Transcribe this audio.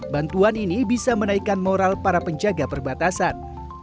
bantuan ini bisa menaikkan moral para penjaga perbatasan